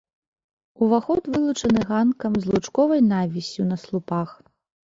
Уваход вылучаны ганкам з лучковай навіссю на слупах.